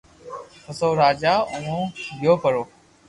پسو او راجا اووہ گيو پرو